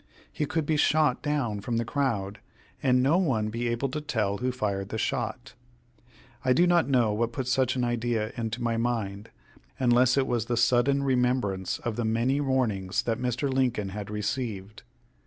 He could be shot down from the crowd, and no one be able to tell who fired the shot." I do not know what put such an idea into my head, unless it was the sudden remembrance of the many warnings that Mr. Lincoln had received.